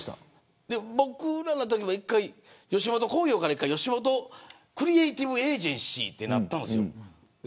僕らのときも一回、吉本興業からよしもとクリエイティブ・エージェンシーになったんです。